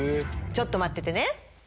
ちょっと待っててね。